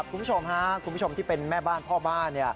คุณผู้ชมที่เป็นแม่บ้านพ่อบ้าน